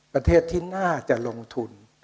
ประเทศที่น่าจะลงทุน